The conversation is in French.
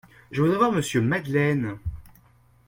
Je voudrais voir monsieur Madeleine.